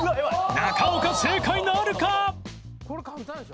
中岡正解なるか！？